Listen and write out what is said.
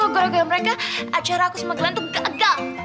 gara gara mereka acara aku sama geland tuh gagal